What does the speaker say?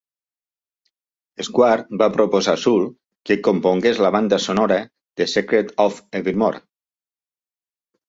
Square va proposar Soul que compongués la banda sonora de "Secret of Evermore".